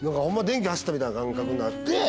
電気走ったみたいな感覚になって。